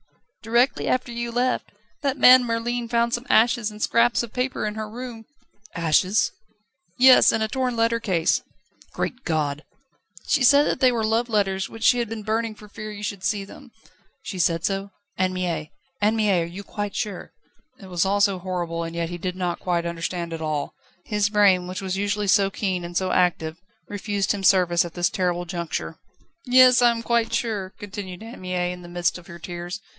"Directly after you left. That man Merlin found some ashes and scraps of paper in her room ..." "Ashes?" "Yes; and a torn letter case." "Great God!" "She said that they were love letters, which she had been burning for fear you should see them." "She said so? Anne Mie, Anne Mie, are you quite sure?" It was all so horrible, and he did not quite understand it all; his brain, which was usually so keen and so active, refused him service at this terrible juncture. "Yes; I am quite sure," continued Anne Mie, in the midst of her tears.